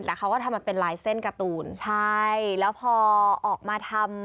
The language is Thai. แต่เขาก็ทำมาเป็นลายเส้นการ์ตูนใช่แล้วพอออกมาทำ